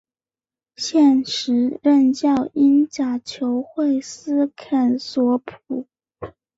现时任教英甲球会斯肯索普。